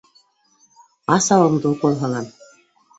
Ас ауыҙыңды, укол һалам!